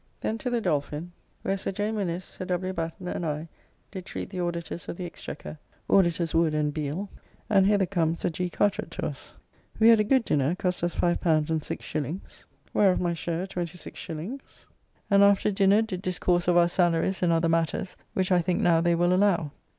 Then to the Dolphin, where Sir J. Minnes, Sir W. Batten, and I, did treat the Auditors of the Exchequer, Auditors Wood and Beale, and hither come Sir G. Carteret to us. We had a good dinner, cost us L5 and 6s., whereof my share 26s., and after dinner did discourse of our salarys and other matters, which I think now they will allow.